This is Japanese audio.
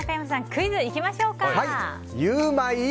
クイズ行きましょうか。